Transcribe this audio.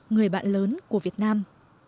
người bạn lớn của việt nam